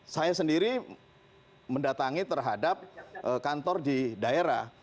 saya sendiri mendatangi terhadap kantor di daerah